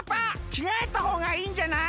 きがえたほうがいいんじゃない？